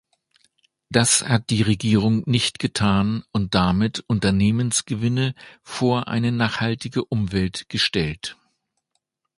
Das hat die Regierung nicht getan und damit Unternehmensgewinne vor eine nachhaltige Umwelt gestellt.